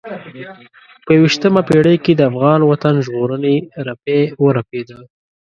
په یوه یشتمه پېړۍ کې د افغان وطن ژغورنې رپی ورپېده.